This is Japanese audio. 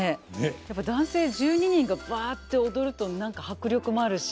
やっぱり男性１２人がぶわって踊ると何か迫力もあるし。